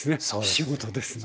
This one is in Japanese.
仕事ですね。